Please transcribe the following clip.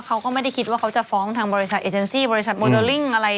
เขาก็ไม่ได้คิดว่าเขาจะฟ้องทางบริษัทเอเจนซี่บริษัทโมเดลลิ่งอะไร